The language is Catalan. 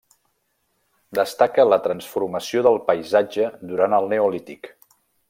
Destaca la transformació del paisatge durant el Neolític.